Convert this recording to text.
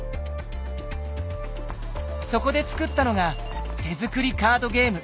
そこで作ったのが手作りカードゲーム。